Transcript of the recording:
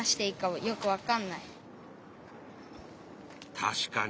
確かに。